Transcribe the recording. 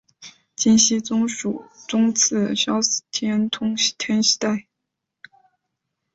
金熙宗赐萧肄通天犀带。